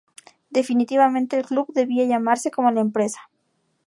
Definitivamente el club debía llamarse como la empresa.